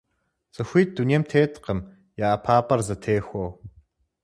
Цӏыхуитӏ дунейм теткъым я ӏэпапӏэр зэтехуэу.